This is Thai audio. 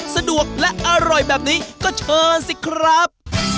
สะดวกและอร่อยแบบนี้ก็เชิญสิครับ